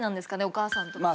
お母さんとかの。